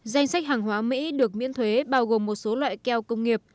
danh sách hàng hóa mỹ được miễn thuế bao gồm một số loại keo công nghiệp